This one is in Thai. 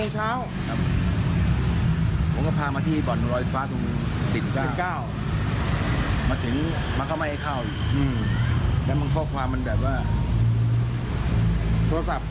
จะต้องการทำความสะอาดศพ